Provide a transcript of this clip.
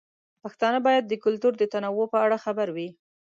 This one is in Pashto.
پښتانه باید د کلتور د تنوع په اړه خبر وي.